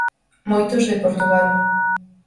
Moitos de Portugal.